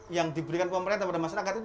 yang diberikan pemerintah pada masyarakat itu